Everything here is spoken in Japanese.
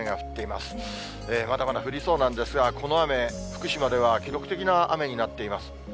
まだまだ降りそうなんですが、この雨、福島では記録的な雨になっています。